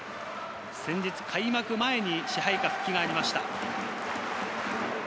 先日、開幕前に支配下復帰がありました。